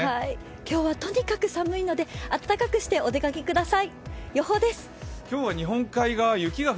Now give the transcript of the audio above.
今日はとにかく寒いのであったかくしてお出かけください。